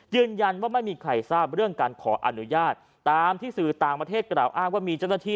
ยืนยันว่าไม่มีใครทราบเรื่องการขออนุญาตตามที่สื่อต่างประเทศกล่าวอ้างว่ามีเจ้าหน้าที่